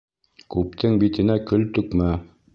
Күптең битенә көл түкмә.